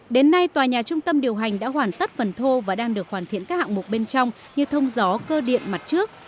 đến nay tòa nhà trung tâm điều hành đã hoàn tất phần thô và đang được hoàn thiện các hạng mục bên trong như thông gió cơ điện mặt trước